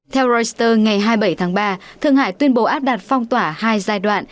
theo reuters ngày hai mươi bảy tháng ba thương hải tuyên bố áp đặt phong tỏa hai giai đoạn